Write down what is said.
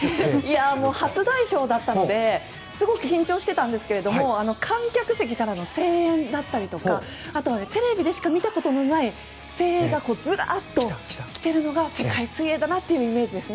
初代表だったのですごく緊張していたんですけど観客席からの声援だったりあとはテレビでしか見たことがない声援が来ているのが世界水泳だなというイメージです。